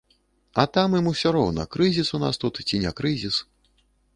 А там ім усё роўна, крызіс у нас тут ці не крызіс.